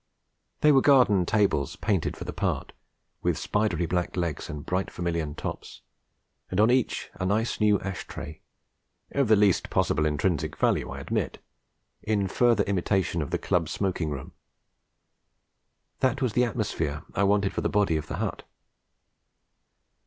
They were garden tables painted for the part, with spidery black legs and bright vermilion tops, and on each a nice new ash tray (of the least possible intrinsic value, I admit) in further imitation of the club smoking room. That was the atmosphere I wanted for the body of the hut.